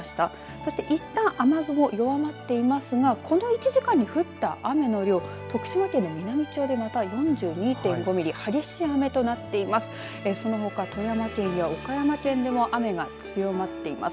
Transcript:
そしていったん雨雲弱まっていますが、この１時間に降った雨の量、徳島県の美波町でまた４２．５ミリ激しい雨となっています。